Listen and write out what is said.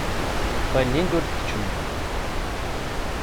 Ṭṭillin-d ur d-keččemen.